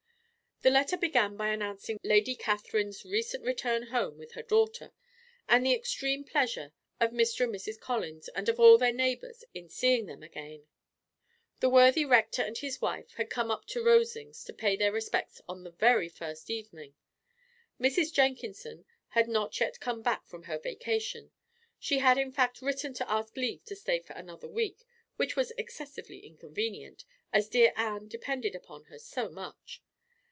The letter began by announcing Lady Catherine's recent return home with her daughter, and the extreme pleasure of Mr. and Mrs. Collins, and of all their neighbours, in seeing them again. The worthy Rector and his wife had come up to Rosings to pay their respects on the very first evening. Mrs. Jenkinson had not yet come back from her vacation; she had in fact written to ask leave to stay for another week, which was excessively inconvenient, as dear Anne depended upon her so much.